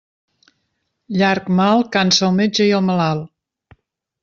Llarg mal cansa el metge i el malalt.